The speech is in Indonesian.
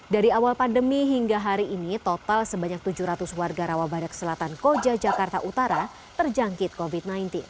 dari awal pandemi hingga hari ini total sebanyak tujuh ratus warga rawabadak selatan koja jakarta utara terjangkit covid sembilan belas